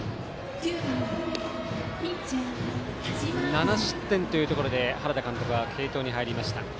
７失点というところで原田監督は継投に入りました。